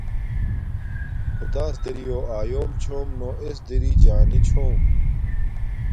خدݳس دِرِیݸ آیݸم چھݸم نݸ اݵس دِرِݵ جݳنݺ چھݸم.